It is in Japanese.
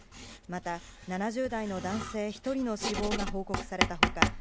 また７０代の男性１人の死亡が報告された他